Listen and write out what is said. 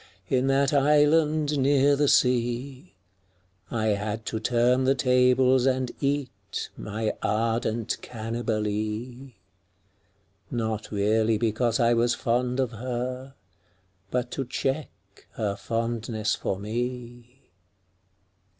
In that island near the sea, I had to turn the tables and eat My ardent Cannibalee — Not really because I was fond of her, But to check her fondness for me.